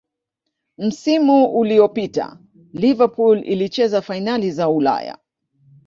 msimu uliyopita liverpool ilicheza fainali za ulaya